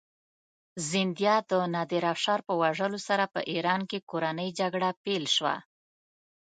زندیه د نادرافشار په وژلو سره په ایران کې کورنۍ جګړه پیل شوه.